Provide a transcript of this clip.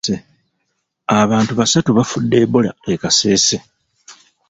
Abantu basatu bafudde Ebola e Kasese.